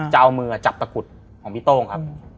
จะเอามือจับตะกุดของพี่โต้งครับ